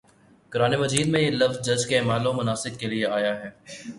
قرآنِ مجید میں یہ لفظ حج کے اعمال و مناسک کے لیے آیا ہے